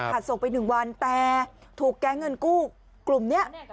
ส่งไป๑วันแต่ถูกแก๊งเงินกู้กลุ่มนี้